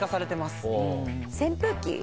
扇風機？